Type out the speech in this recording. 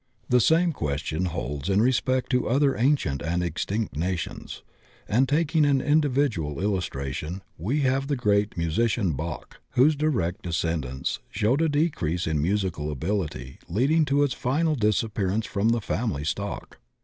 The same question holds in respect to other ancient and extinct nations. And taking an individ ual illustration we have the great musician Bach, whose direct descendants showed a decrease in musical abil ity leading to its final disappearance from the family stock.